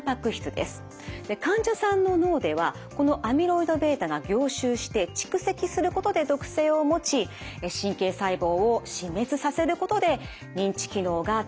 患者さんの脳ではこのアミロイドβが凝集して蓄積することで毒性を持ち神経細胞を死滅させることで認知機能が低下すると考えられています。